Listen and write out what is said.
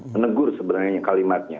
menegur sebenarnya kalimatnya